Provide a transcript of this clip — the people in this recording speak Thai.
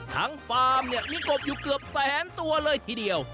ฟาร์มเนี่ยมีกบอยู่เกือบแสนตัวเลยทีเดียว